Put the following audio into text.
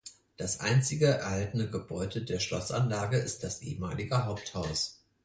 Das einzige erhaltene Gebäude der Schlossanlage ist das ehemalige Haupthaus.